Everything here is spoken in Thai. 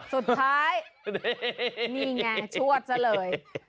สุดท้ายนี่มีงแงชวดเสียเลย